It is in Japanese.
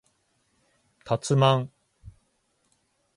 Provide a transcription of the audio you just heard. たつまん